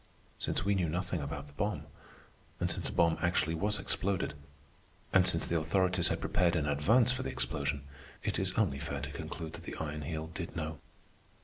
Since we knew nothing about the bomb, and since a bomb actually was exploded, and since the authorities had prepared in advance for the explosion, it is only fair to conclude that the Iron Heel did know.